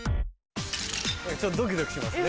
ちょっとドキドキしますね。